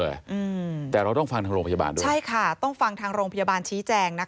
อืมแต่เราต้องฟังทางโรงพยาบาลด้วยใช่ค่ะต้องฟังทางโรงพยาบาลชี้แจงนะคะ